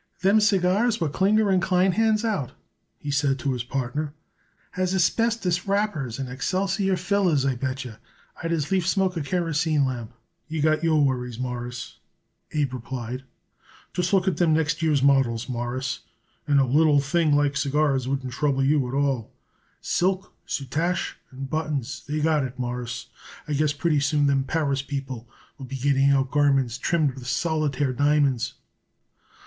"Them cigars what Klinger & Klein hands out," he said to his partner, "has asbestos wrappers and excelsior fillers, I bet yer. I'd as lief smoke a kerosene lamp." "You got your worries, Mawruss," Abe replied. "Just look at them next year's models, Mawruss, and a little thing like cigars wouldn't trouble you at all. Silk, soutache and buttons they got it, Mawruss. I guess pretty soon them Paris people will be getting out garments trimmed with solitaire diamonds."